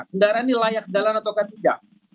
kendaraan ini layak jalan atau tidak